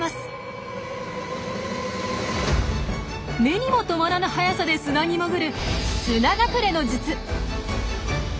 目にも留まらぬ速さで砂に潜る「砂隠れの術」！